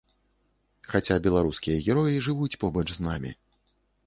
Хаця беларускія героі жывуць побач з намі.